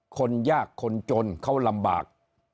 คนยากคนจนเขาลำบาก